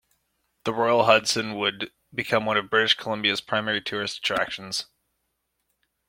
The Royal Hudson would become one of British Columbia's primary tourist attractions.